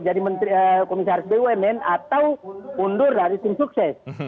jadi komisar bumn atau mundur dari tim sukses